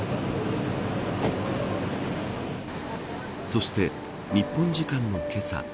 そして、日本時間のけさ